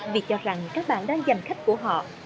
vì cho rằng các bạn đang giành khách của họ